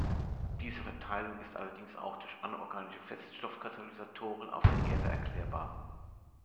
Diese Verteilung ist allerdings auch durch anorganische Feststoff-Katalysatoren auf der Erde erklärbar.